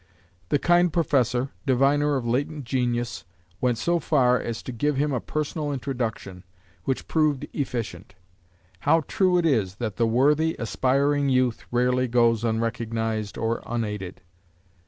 The kind Professor, diviner of latent genius, went so far as to give him a personal introduction, which proved efficient. How true it is that the worthy, aspiring youth rarely goes unrecognised or unaided.